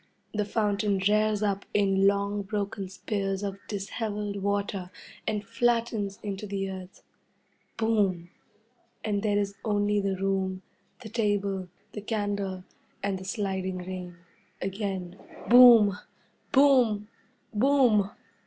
The fountain rears up in long broken spears of dishevelled water and flattens into the earth. Boom! And there is only the room, the table, the candle, and the sliding rain. Again, Boom! Boom! Boom!